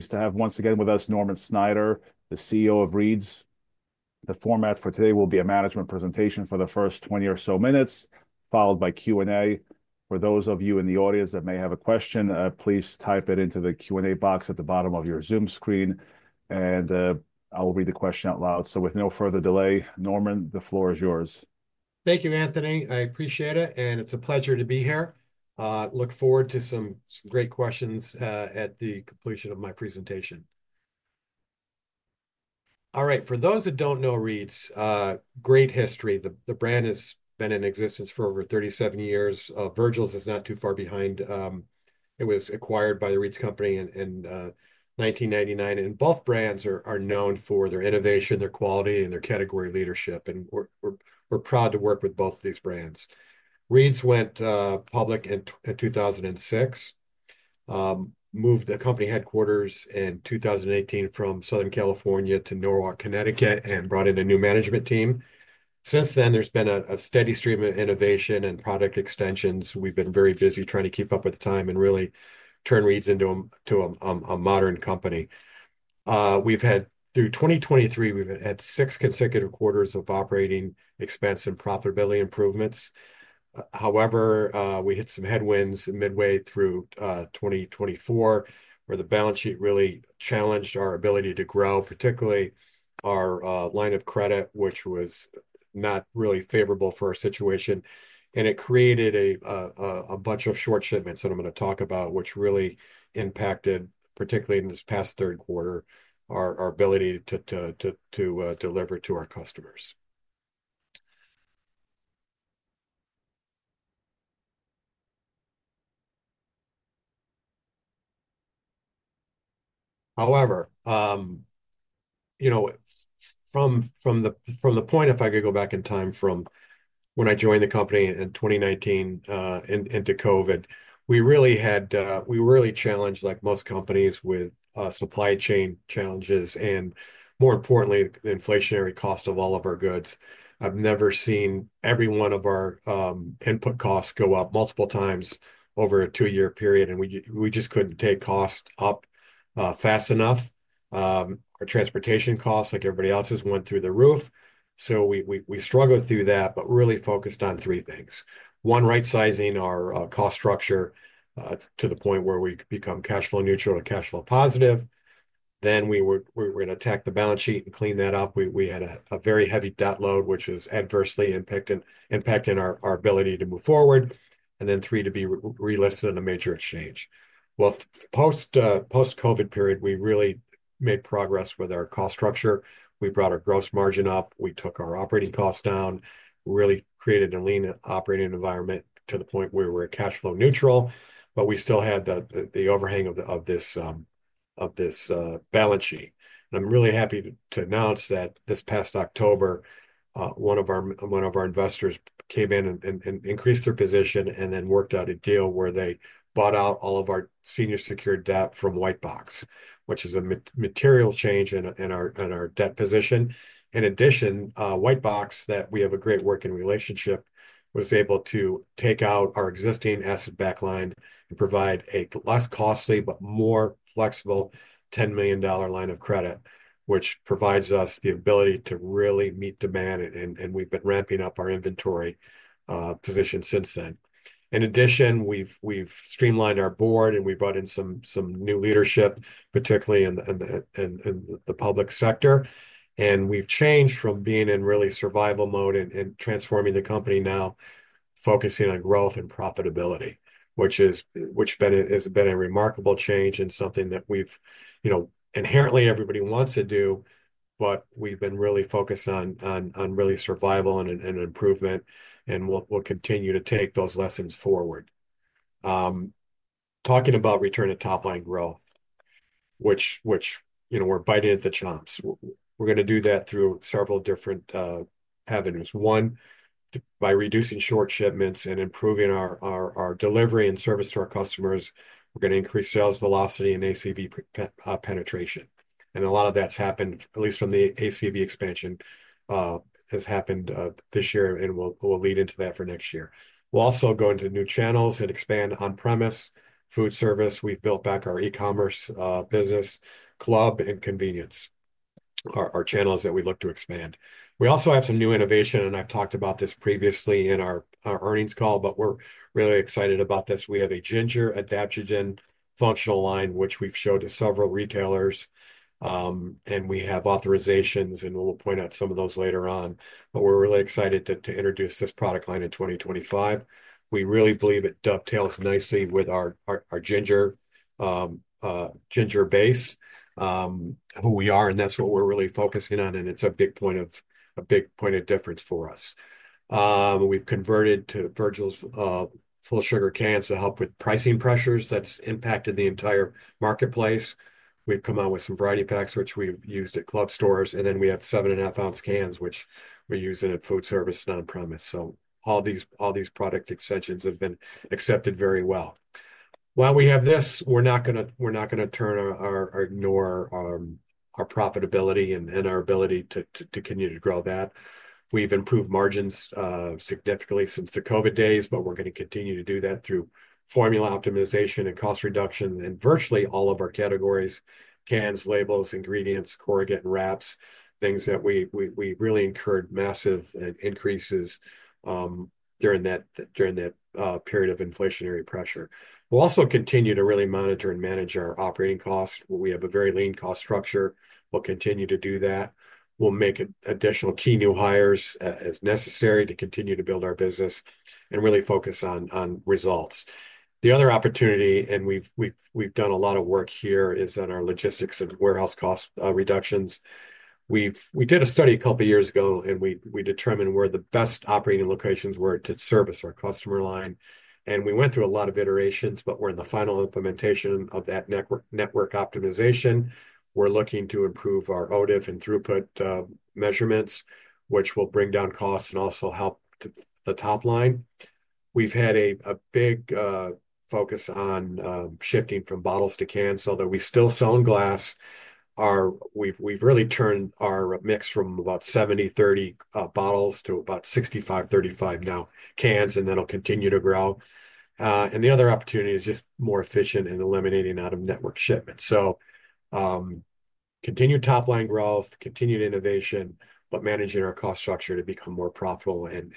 We have once again with us, Norman Snyder, the CEO of Reed's. The format for today will be a management presentation for the first 20 or so minutes, followed by Q&A. For those of you in the audience that may have a question, please type it into the Q&A box at the bottom of your Zoom screen, and I'll read the question out loud. So, with no further delay, Norman, the floor is yours. Thank you, Anthony. I appreciate it, and it's a pleasure to be here. I look forward to some great questions at the completion of my presentation. All right. For those that don't know Reed's, great history. The brand has been in existence for over 37 years. Virgil's is not too far behind. It was acquired by the Reed's Company in 1999, and both brands are known for their innovation, their quality, and their category leadership. We're proud to work with both of these brands. Reed's went public in 2006, moved the company headquarters in 2018 from Southern California to Norwalk, Connecticut, and brought in a new management team. Since then, there's been a steady stream of innovation and product extensions. We've been very busy trying to keep up with time and really turn Reed's into a modern company. Through 2023, we've had six consecutive quarters of operating expense and profitability improvements. However, we hit some headwinds midway through 2024, where the balance sheet really challenged our ability to grow, particularly our line of credit, which was not really favorable for our situation, and it created a bunch of short shipments that I'm going to talk about, which really impacted, particularly in this past third quarter, our ability to deliver to our customers. However, you know, from the point, if I could go back in time from when I joined the company in 2019 into COVID, we really had, we were really challenged, like most companies, with supply chain challenges and, more importantly, the inflationary cost of all of our goods. I've never seen every one of our input costs go up multiple times over a two-year period, and we just couldn't take costs up fast enough. Our transportation costs, like everybody else's, went through the roof. So we struggled through that, but really focused on three things: one, right-sizing our cost structure to the point where we become cash flow neutral or cash flow positive. Then we were going to attack the balance sheet and clean that up. We had a very heavy debt load, which was adversely impacting our ability to move forward. And then three, to be relisted in a major exchange. Well, post-COVID period, we really made progress with our cost structure. We brought our gross margin up. We took our operating costs down. We really created a lean operating environment to the point where we were cash flow neutral, but we still had the overhang of this balance sheet. I'm really happy to announce that this past October, one of our investors came in and increased their position and then worked out a deal where they bought out all of our senior secured debt from Whitebox, which is a material change in our debt position. In addition, Whitebox, that we have a great working relationship, was able to take out our existing asset-backed line and provide a less costly but more flexible $10 million line of credit, which provides us the ability to really meet demand, and we've been ramping up our inventory position since then. In addition, we've streamlined our board, and we brought in some new leadership, particularly in the public sector. And we've changed from being in really survival mode and transforming the company now, focusing on growth and profitability, which has been a remarkable change and something that we've, you know, inherently everybody wants to do, but we've been really focused on really survival and improvement, and we'll continue to take those lessons forward. Talking about return to top-line growth, which, you know, we're champing at the bit. We're going to do that through several different avenues. One, by reducing short shipments and improving our delivery and service to our customers, we're going to increase sales velocity and ACV penetration. And a lot of that's happened, at least from the ACV expansion, has happened this year, and we'll lead into that for next year. We'll also go into new channels and expand on-premise foodservice. We've built back our e-commerce business, club, and convenience, our channels that we look to expand. We also have some new innovation, and I've talked about this previously in our earnings call, but we're really excited about this. We have a ginger adaptogen functional line, which we've showed to several retailers, and we have authorizations, and we'll point out some of those later on, but we're really excited to introduce this product line in 2025. We really believe it dovetails nicely with our ginger base, who we are, and that's what we're really focusing on, and it's a big point of difference for us. We've converted to Virgil's full sugar cans to help with pricing pressures that's impacted the entire marketplace. We've come out with some variety packs, which we've used at club stores, and then we have seven and a half ounce cans, which we're using at foodservice and on-premise. So all these product extensions have been accepted very well. While we have this, we're not going to turn or ignore our profitability and our ability to continue to grow that. We've improved margins significantly since the COVID days, but we're going to continue to do that through formula optimization and cost reduction in virtually all of our categories: cans, labels, ingredients, corrugated wraps, things that we really incurred massive increases during that period of inflationary pressure. We'll also continue to really monitor and manage our operating costs. We have a very lean cost structure. We'll continue to do that. We'll make additional key new hires as necessary to continue to build our business and really focus on results. The other opportunity, and we've done a lot of work here, is on our logistics and warehouse cost reductions. We did a study a couple of years ago, and we determined where the best operating locations were to service our customer line. And we went through a lot of iterations, but we're in the final implementation of that network optimization. We're looking to improve our OTIF and throughput measurements, which will bring down costs and also help the top line. We've had a big focus on shifting from bottles to cans, although we still sell in glass. We've really turned our mix from about 70/30 bottles to about 65/35 now cans, and that'll continue to grow. And the other opportunity is just more efficient in eliminating out of network shipment. So, continued top-line growth, continued innovation, but managing our cost structure to become more profitable and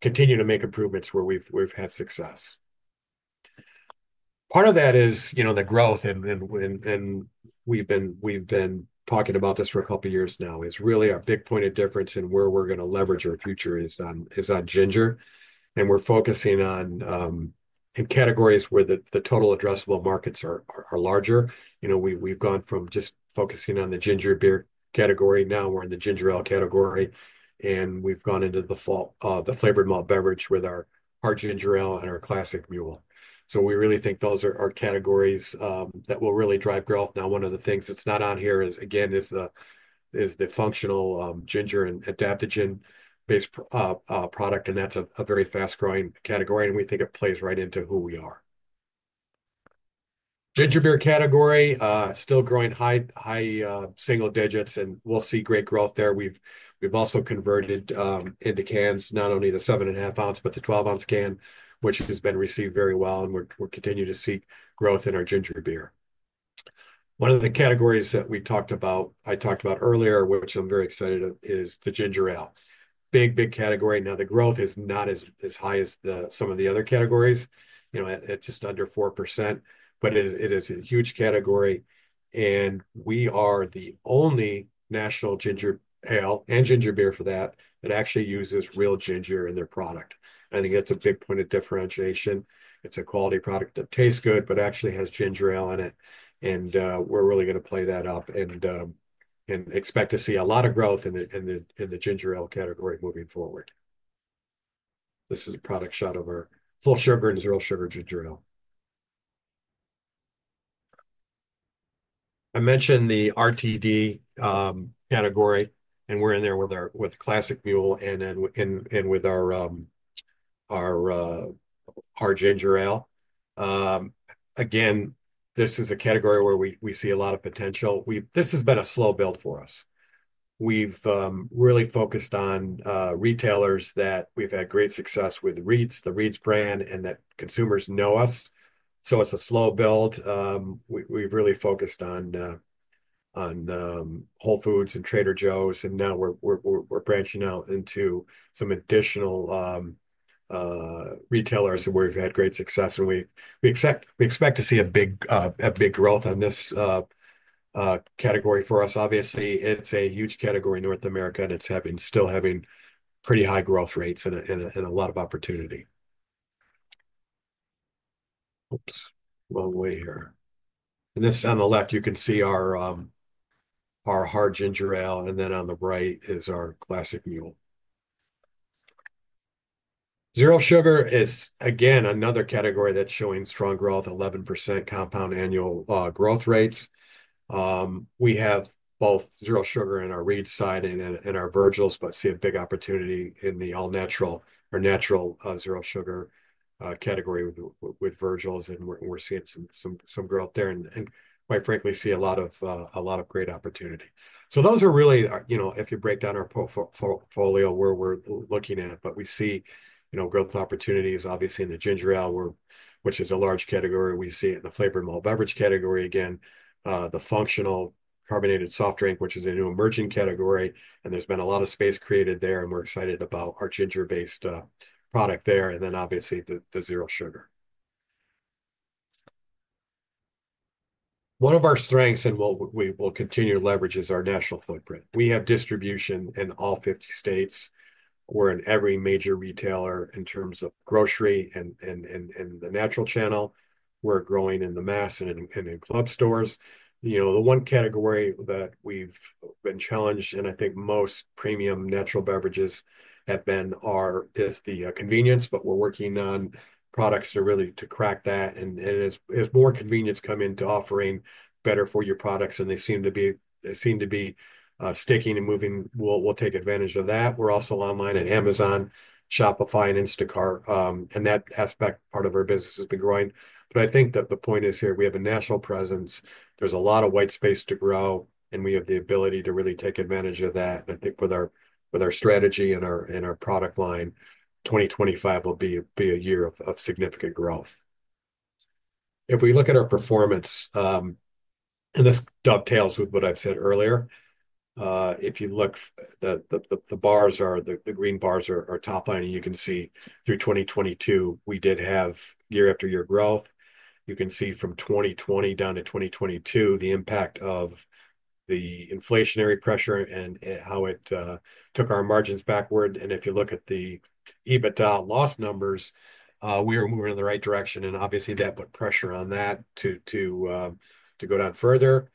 continue to make improvements where we've had success. Part of that is, you know, the growth, and we've been talking about this for a couple of years now, is really our big point of difference and where we're going to leverage our future is on ginger. And we're focusing on categories where the total addressable markets are larger. You know, we've gone from just focusing on the ginger beer category. Now we're in the ginger ale category, and we've gone into the flavored malt beverage with our ginger ale and our Classic Mule. So we really think those are categories that will really drive growth. Now, one of the things that's not on here is, again, the functional ginger and adaptogen-based product, and that's a very fast-growing category, and we think it plays right into who we are. Ginger beer category, still growing high single digits, and we'll see great growth there. We've also converted into cans, not only the seven-and-a-half-ounce, but the 12-ounce can, which has been received very well, and we'll continue to see growth in our ginger beer. One of the categories that we talked about, I talked about earlier, which I'm very excited about, is the ginger ale. Big, big category. Now, the growth is not as high as some of the other categories, you know, at just under 4%, but it is a huge category. We are the only national ginger ale and ginger beer for that actually uses real ginger in their product. I think that's a big point of differentiation. It's a quality product that tastes good, but actually has ginger ale in it, and we're really going to play that up and expect to see a lot of growth in the ginger ale category moving forward. This is a product shot of our full sugar and zero sugar ginger ale. I mentioned the RTD category, and we're in there with our Classic Mule and with our ginger ale. Again, this is a category where we see a lot of potential. This has been a slow build for us. We've really focused on retailers that we've had great success with Reed's, the Reed's brand, and that consumers know us. It's a slow build. We've really focused on Whole Foods and Trader Joe's, and now we're branching out into some additional retailers where we've had great success, and we expect to see a big growth on this category for us. Obviously, it's a huge category in North America, and it's still having pretty high growth rates and a lot of opportunity. Oops, wrong way here, and this on the left, you can see our Hard Ginger Ale, and then on the right is our Classic Mule. Zero sugar is, again, another category that's showing strong growth, 11% compound annual growth rates. We have both zero sugar in our Reed's side and our Virgil's, but see a big opportunity in the all-natural or natural zero sugar category with Virgil's, and we're seeing some growth there, and quite frankly, see a lot of great opportunity. So those are really, you know, if you break down our portfolio where we're looking at, but we see, you know, growth opportunities, obviously, in the ginger ale, which is a large category. We see it in the flavored malt beverage category, again, the functional carbonated soft drink, which is a new emerging category, and there's been a lot of space created there, and we're excited about our ginger-based product there, and then obviously the zero sugar. One of our strengths and what we will continue to leverage is our national footprint. We have distribution in all 50 states. We're in every major retailer in terms of grocery and the natural channel. We're growing in the mass and in club stores. You know, the one category that we've been challenged, and I think most premium natural beverages have been, is the convenience, but we're working on products to really crack that. And as more convenience come into offering better-for-you products, and they seem to be sticking and moving, we'll take advantage of that. We're also online at Amazon, Shopify, and Instacart, and that aspect part of our business has been growing. But I think that the point is here, we have a national presence, there's a lot of white space to grow, and we have the ability to really take advantage of that. And I think with our strategy and our product line, 2025 will be a year of significant growth. If we look at our performance, and this dovetails with what I've said earlier. If you look, the green bars are top line, and you can see through 2022, we did have year-after-year growth. You can see from 2020 down to 2022, the impact of the inflationary pressure and how it took our margins backward, and if you look at the EBITDA loss numbers, we were moving in the right direction, and obviously that put pressure on that to go down further.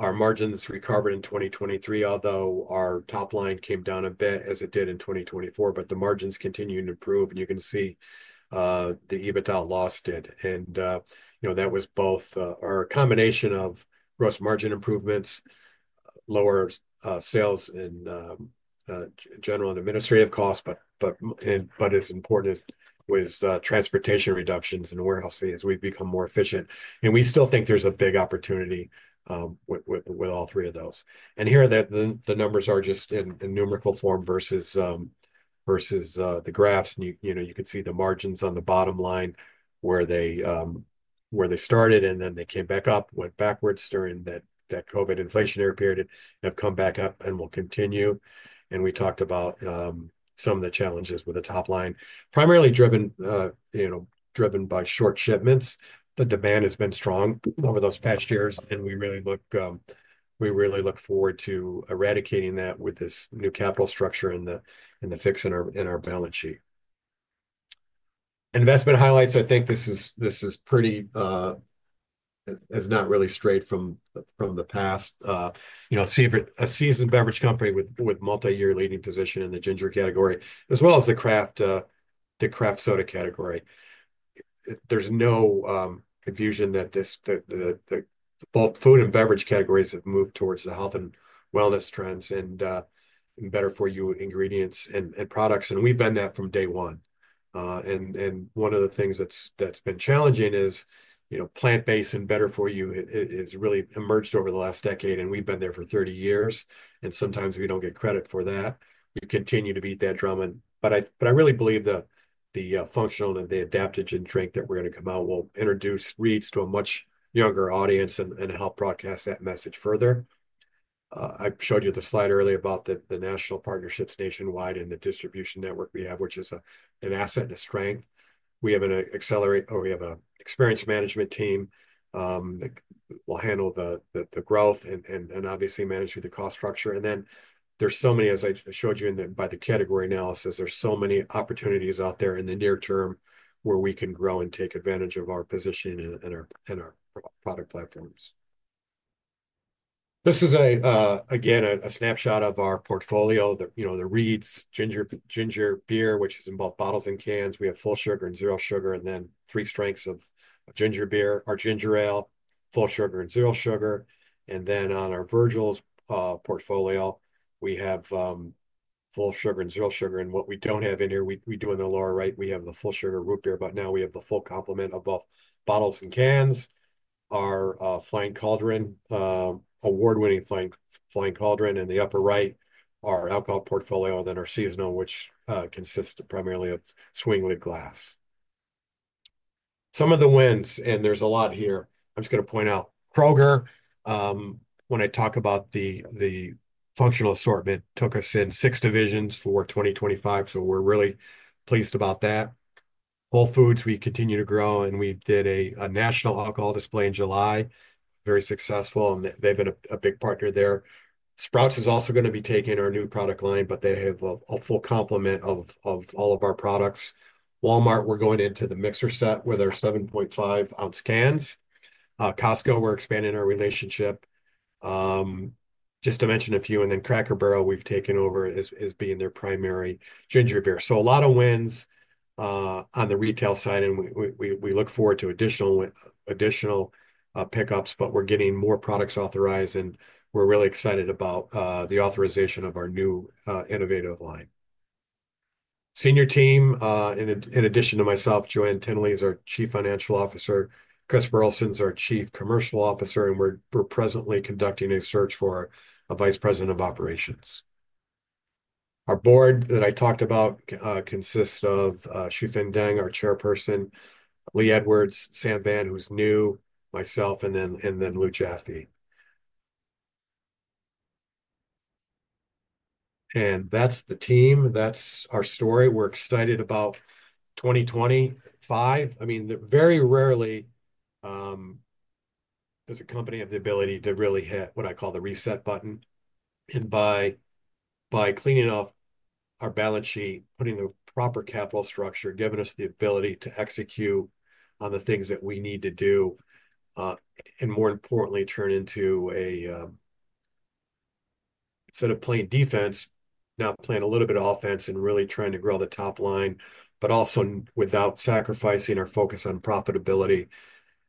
Our margins recovered in 2023, although our top line came down a bit as it did in 2024, but the margins continued to improve, and you can see the EBITDA loss did, and you know, that was both a combination of gross margin improvements, lower sales in general and administrative costs, but as important as transportation reductions and warehouse fees, we've become more efficient, and we still think there's a big opportunity with all three of those. Here the numbers are just in numerical form versus the graphs. You know, you can see the margins on the bottom line where they started, and then they came back up, went backwards during that COVID inflationary period, have come back up, and will continue. We talked about some of the challenges with the top line, primarily driven by short shipments. The demand has been strong over those past years, and we really look forward to eradicating that with this new capital structure and the fix in our balance sheet. Investment highlights, I think this is pretty, is not really straight from the past. You know, see if a seasoned beverage company with multi-year leading position in the ginger category, as well as the craft soda category. There's no confusion that both food and beverage categories have moved towards the health and wellness trends and better-for-you ingredients and products, and we've been that from day one. And one of the things that's been challenging is, you know, plant-based and better-for-you has really emerged over the last decade, and we've been there for 30 years, and sometimes we don't get credit for that. We continue to beat that drum in, but I really believe the functional and the adaptogen drink that we're going to come out will introduce Reed's to a much younger audience and help broadcast that message further. I showed you the slide earlier about the national partnerships nationwide and the distribution network we have, which is an asset and a strength. We have an accelerator, or we have an experience management team that will handle the growth and obviously manage through the cost structure. And then there's so many, as I showed you by the category analysis, there's so many opportunities out there in the near term where we can grow and take advantage of our position and our product platforms. This is, again, a snapshot of our portfolio, you know, the Reed's Ginger Beer, which is in both bottles and cans. We have full sugar and zero sugar, and then three strengths of Ginger Beer, our Ginger Ale, full sugar and zero sugar. And then on our Virgil's portfolio, we have full sugar and zero sugar. And what we don't have in here, we do in the lower right, we have the full sugar root beer, but now we have the full complement of both bottles and cans. Our Flying Cauldron, award-winning Flying Cauldron, and the upper right, our alcohol portfolio, and then our seasonal, which consists primarily of swing lid glass. Some of the wins, and there's a lot here. I'm just going to point out Kroger. When I talk about the functional assortment, took us in six divisions for 2025, so we're really pleased about that. Whole Foods, we continue to grow, and we did a national alcohol display in July, very successful, and they've been a big partner there. Sprouts is also going to be taking our new product line, but they have a full complement of all of our products. Walmart, we're going into the mixer set with our 7.5-ounce cans. Costco, we're expanding our relationship. Just to mention a few, and then Cracker Barrel, we've taken over as being their primary ginger beer. So a lot of wins on the retail side, and we look forward to additional pickups, but we're getting more products authorized, and we're really excited about the authorization of our new innovative line. Senior team, in addition to myself, Joann Tinnelly is our Chief Financial Officer. Chris Burleson's our Chief Commercial Officer, and we're presently conducting a search for a Vice President of Operations. Our board that I talked about consists of Shufen Deng, our Chairperson, Lee Edwards, Sam Van, who's new, myself, and then Lou Jaffe. And that's the team. That's our story. We're excited about 2025. I mean, very rarely does a company have the ability to really hit what I call the reset button. And by cleaning off our balance sheet, putting the proper capital structure, giving us the ability to execute on the things that we need to do, and more importantly, turn into a set of playing defense, not playing a little bit of offense and really trying to grow the top line, but also without sacrificing our focus on profitability,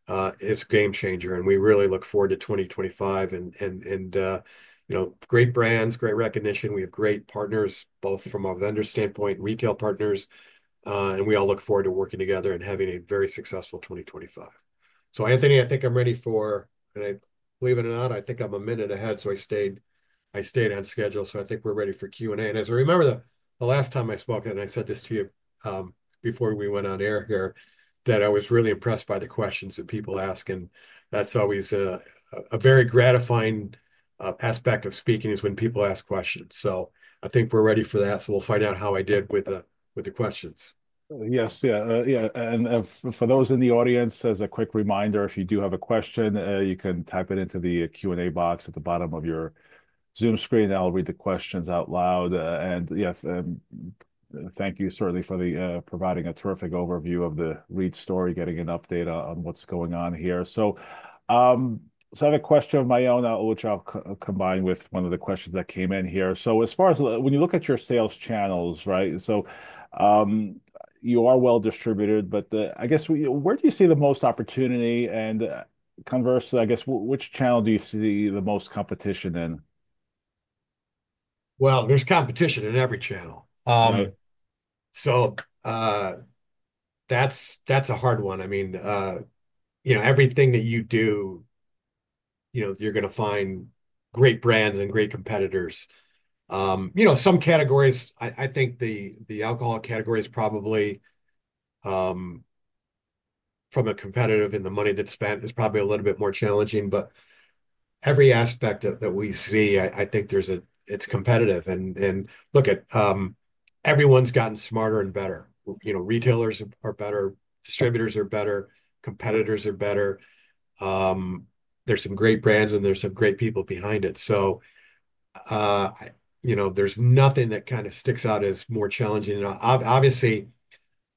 is a game changer. And we really look forward to 2025, and you know, great brands, great recognition. We have great partners, both from our vendor standpoint, retail partners, and we all look forward to working together and having a very successful 2025. So Anthony, I think I'm ready for, and I believe it or not, I think I'm a minute ahead, so I stayed on schedule. So I think we're ready for Q&A. And as I remember the last time I spoke at, and I said this to you before we went on air here, that I was really impressed by the questions that people asked. And that's always a very gratifying aspect of speaking is when people ask questions. So I think we're ready for that, so we'll find out how I did with the questions. Yes, yeah. Yeah. And for those in the audience, as a quick reminder, if you do have a question, you can type it into the Q&A box at the bottom of your Zoom screen, and I'll read the questions out loud. And yes, thank you certainly for providing a terrific overview of the Reed's story, getting an update on what's going on here. So I have a question of my own, which I'll combine with one of the questions that came in here. So as far as when you look at your sales channels, right, so you are well distributed, but I guess where do you see the most opportunity? And conversely, I guess which channel do you see the most competition in? Well, there's competition in every channel. So that's a hard one. I mean, you know, everything that you do, you know, you're going to find great brands and great competitors. You know, some categories, I think the alcohol category is probably from a competitive in the money that's spent is probably a little bit more challenging, but every aspect that we see, I think there's a, it's competitive. And look at everyone's gotten smarter and better. You know, retailers are better, distributors are better, competitors are better. There's some great brands and there's some great people behind it. So you know, there's nothing that kind of sticks out as more challenging. And obviously,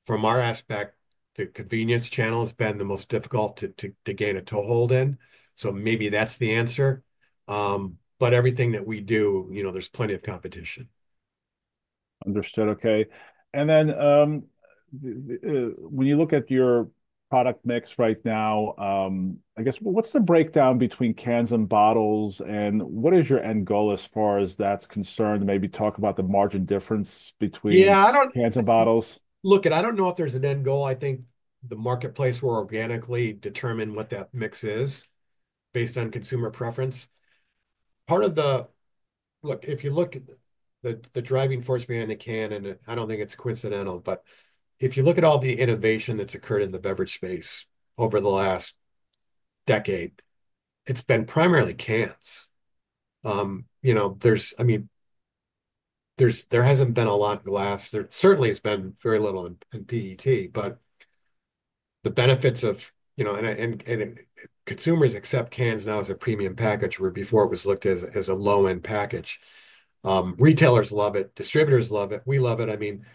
from our aspect, the convenience channel has been the most difficult to gain a toehold in. So maybe that's the answer. But everything that we do, you know, there's plenty of competition. Understood. Okay. And then when you look at your product mix right now, I guess what's the breakdown between cans and bottles and what is your end goal as far as that's concerned? Maybe talk about the margin difference between cans and bottles. Look, and I don't know if there's an end goal. I think the marketplace will organically determine what that mix is based on consumer preference. Part of the, look, if you look at the driving force behind the can, and I don't think it's coincidental, but if you look at all the innovation that's occurred in the beverage space over the last decade, it's been primarily cans. You know, there's, I mean, there hasn't been a lot in glass. There certainly has been very little in PET, but the benefits of, you know, and consumers accept cans now as a premium package, where before it was looked at as a low-end package. Retailers love it. Distributors love it. We love it. I mean,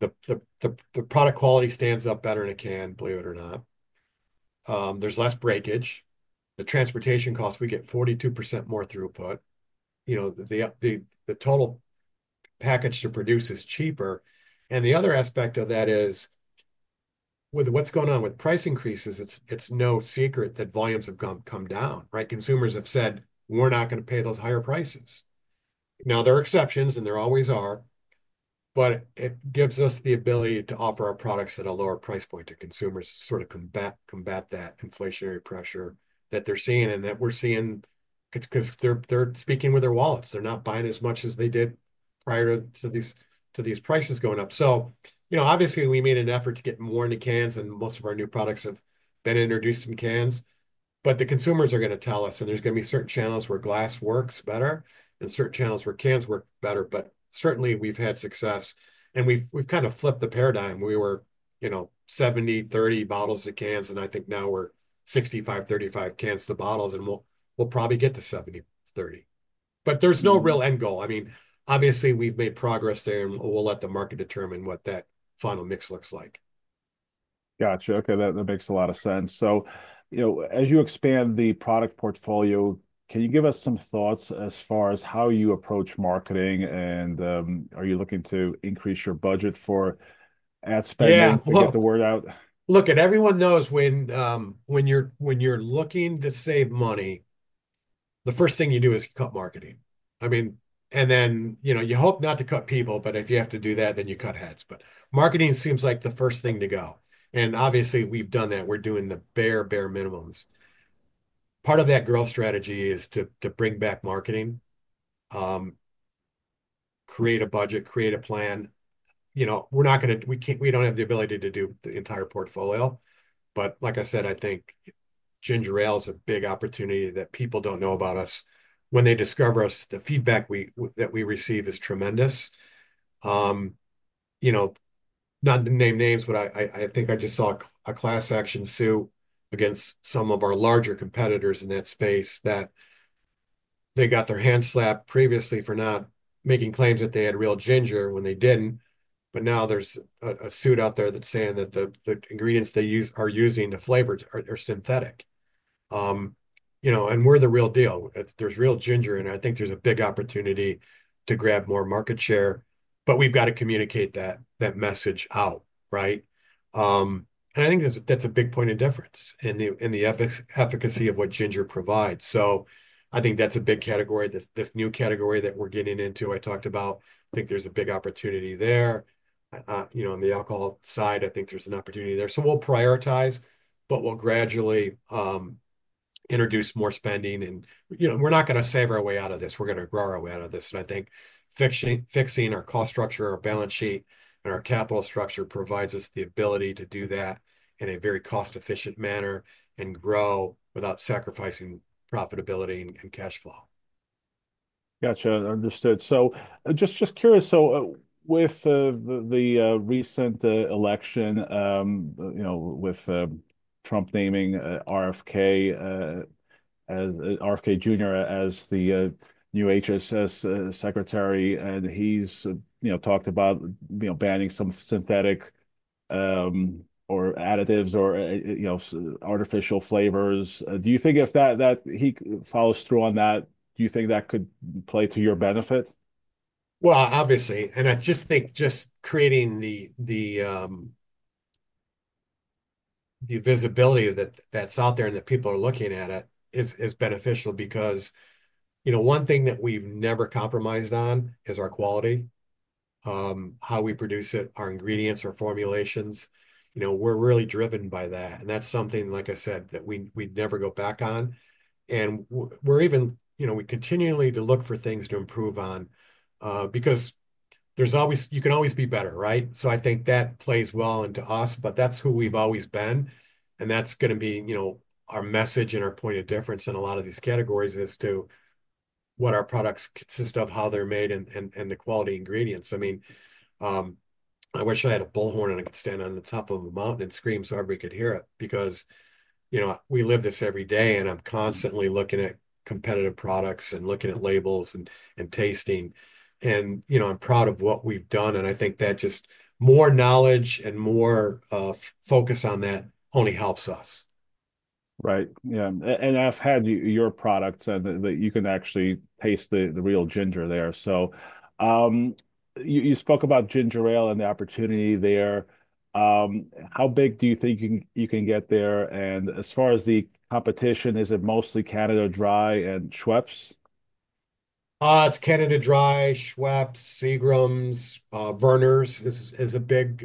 the product quality stands up better in a can, believe it or not. There's less breakage. The transportation costs, we get 42% more throughput. You know, the total package to produce is cheaper. And the other aspect of that is with what's going on with price increases, it's no secret that volumes have come down, right? Consumers have said, "We're not going to pay those higher prices." Now, there are exceptions, and there always are, but it gives us the ability to offer our products at a lower price point to consumers to sort of combat that inflationary pressure that they're seeing and that we're seeing because they're speaking with their wallets. They're not buying as much as they did prior to these prices going up. So, you know, obviously, we made an effort to get more into cans, and most of our new products have been introduced in cans. But the consumers are going to tell us, and there's going to be certain channels where glass works better and certain channels where cans work better. But certainly, we've had success, and we've kind of flipped the paradigm. We were, you know, 70, 30 bottles of cans, and I think now we're 65, 35 cans to bottles, and we'll probably get to 70, 30. But there's no real end goal. I mean, obviously, we've made progress there, and we'll let the market determine what that final mix looks like. Gotcha. Okay. That makes a lot of sense. So, you know, as you expand the product portfolio, can you give us some thoughts as far as how you approach marketing, and are you looking to increase your budget for ad spending to get the word out? Look, and everyone knows when you're looking to save money, the first thing you do is cut marketing. I mean, and then, you know, you hope not to cut people, but if you have to do that, then you cut heads, but marketing seems like the first thing to go, and obviously we've done that. We're doing the bare, bare minimums. Part of that growth strategy is to bring back marketing, create a budget, create a plan. You know, we're not going to, we don't have the ability to do the entire portfolio, but like I said, I think ginger ale is a big opportunity that people don't know about us. When they discover us, the feedback that we receive is tremendous. You know, not to name names, but I think I just saw a class action suit against some of our larger competitors in that space that they got their hand slapped previously for not making claims that they had real ginger when they didn't. But now there's a suit out there that's saying that the ingredients they are using to flavor are synthetic. You know, and we're the real deal. There's real ginger in it. I think there's a big opportunity to grab more market share, but we've got to communicate that message out, right? And I think that's a big point of difference in the efficacy of what ginger provides. So I think that's a big category, this new category that we're getting into. I talked about, I think there's a big opportunity there. You know, on the alcohol side, I think there's an opportunity there. So we'll prioritize, but we'll gradually introduce more spending. And, you know, we're not going to save our way out of this. We're going to grow our way out of this. And I think fixing our cost structure, our balance sheet, and our capital structure provides us the ability to do that in a very cost-efficient manner and grow without sacrificing profitability and cash flow. Gotcha. Understood. So just curious, so with the recent election, you know, with Trump naming RFK Jr. as the new HHS secretary, and he's, you know, talked about, you know, banning some synthetic or additives or, you know, artificial flavors. Do you think if that he follows through on that, do you think that could play to your benefit? Obviously, and I just think creating the visibility that's out there and that people are looking at it is beneficial because, you know, one thing that we've never compromised on is our quality, how we produce it, our ingredients, our formulations. You know, we're really driven by that. And that's something, like I said, that we'd never go back on. And we're even, you know, we continually look for things to improve on because there's always, you can always be better, right? So I think that plays well into us, but that's who we've always been. And that's going to be, you know, our message and our point of difference in a lot of these categories as to what our products consist of, how they're made, and the quality ingredients. I mean, I wish I had a bullhorn and I could stand on the top of a mountain and scream so everybody could hear it because, you know, we live this every day, and I'm constantly looking at competitive products and looking at labels and tasting. And, you know, I'm proud of what we've done. And I think that just more knowledge and more focus on that only helps us. Right. Yeah. And I've had your products and that you can actually taste the real ginger there. So you spoke about ginger ale and the opportunity there. How big do you think you can get there? And as far as the competition, is it mostly Canada Dry and Schweppes? It's Canada Dry, Schweppes, Seagram's, Vernors is a big.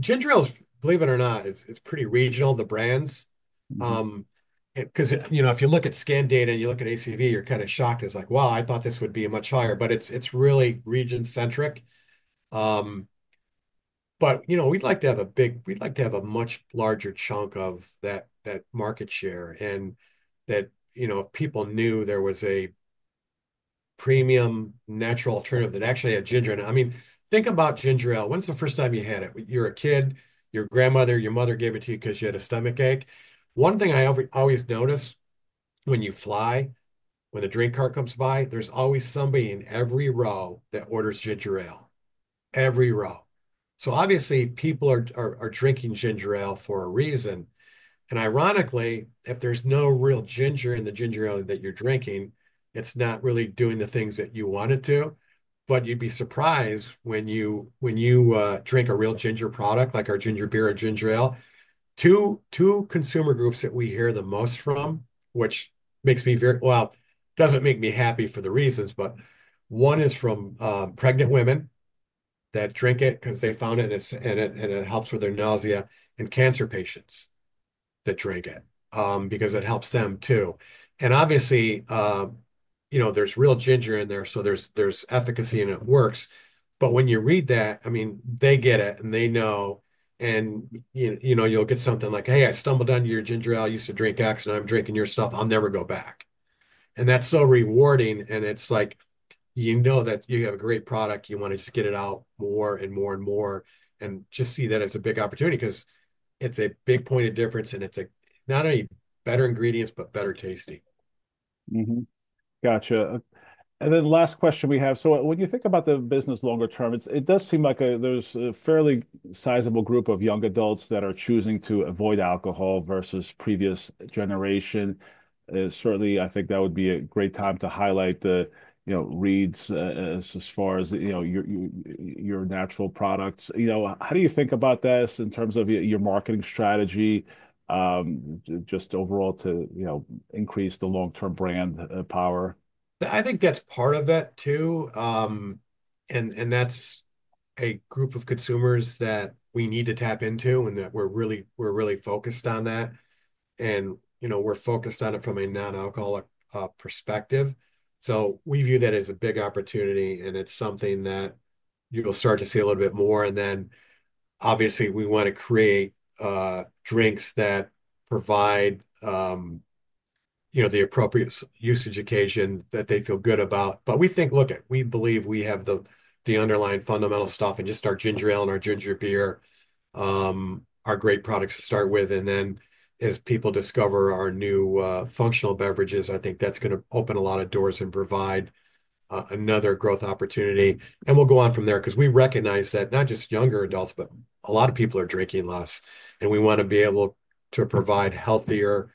Ginger ale, believe it or not, it's pretty regional, the brands. Because, you know, if you look at scan data and you look at ACV, you're kind of shocked. It's like, wow, I thought this would be much higher, but it's really region-centric. But, you know, we'd like to have a big, we'd like to have a much larger chunk of that market share. And that, you know, if people knew there was a premium natural alternative that actually had ginger. And I mean, think about ginger ale. When's the first time you had it? You're a kid, your grandmother, your mother gave it to you because you had a stomach ache. One thing I always notice when you fly, when the drink cart comes by, there's always somebody in every row that orders ginger ale. Every row. So obviously, people are drinking ginger ale for a reason. Ironically, if there's no real ginger in the ginger ale that you're drinking, it's not really doing the things that you want it to. You'd be surprised when you drink a real ginger product like our ginger beer and ginger ale. Two consumer groups that we hear the most from, which makes me very, well, doesn't make me happy for the reasons, but one is from pregnant women that drink it because they found it and it helps with their nausea and cancer patients that drink it because it helps them too. Obviously, you know, there's real ginger in there, so there's efficacy and it works. When you read that, I mean, they get it and they know, and you know, you'll get something like, "Hey, I stumbled on your ginger ale. I used to drink X, and I'm drinking your stuff. I'll never go back." And that's so rewarding. And it's like, you know that you have a great product. You want to just get it out more and more and more and just see that as a big opportunity because it's a big point of difference. And it's not only better ingredients, but better tasty. Gotcha. And then last question we have. So when you think about the business longer term, it does seem like there's a fairly sizable group of young adults that are choosing to avoid alcohol versus previous generation. Certainly, I think that would be a great time to highlight the, you know, Reed's as far as, you know, your natural products. You know, how do you think about this in terms of your marketing strategy, just overall to, you know, increase the long-term brand power? I think that's part of it too. That's a group of consumers that we need to tap into and that we're really focused on that. You know, we're focused on it from a non-alcoholic perspective. We view that as a big opportunity, and it's something that you'll start to see a little bit more. Obviously, we want to create drinks that provide, you know, the appropriate usage occasion that they feel good about. We think, look at, we believe we have the underlying fundamental stuff and just our ginger ale and our ginger beer, our great products to start with. As people discover our new functional beverages, I think that's going to open a lot of doors and provide another growth opportunity. We'll go on from there because we recognize that not just younger adults, but a lot of people are drinking less. And we want to be able to provide healthier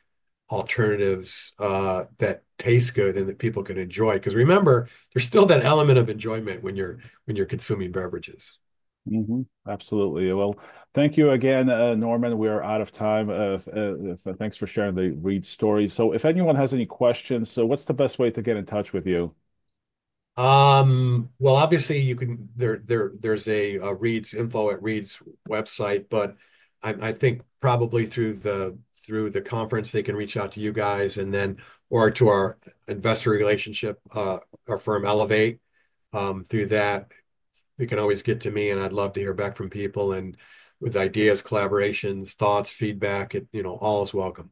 alternatives that taste good and that people can enjoy. Because remember, there's still that element of enjoyment when you're consuming beverages. Absolutely. Well, thank you again, Norman. We're out of time. Thanks for sharing the Reed's story. So if anyone has any questions, what's the best way to get in touch with you? Well, obviously, you can. There's a Reed's info at Reed's website, but I think probably through the conference, they can reach out to you guys and then or to our investor relations, our firm Elevate. Through that, you can always get to me, and I'd love to hear back from people and with ideas, collaborations, thoughts, feedback, you know, all is welcome.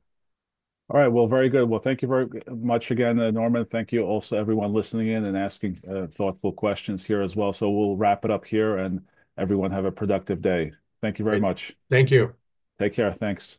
All right. Well, very good. Well, thank you very much again, Norman. Thank you also, everyone listening in and asking thoughtful questions here as well. So we'll wrap it up here and everyone have a productive day. Thank you very much. Thank you. Take care. Thanks.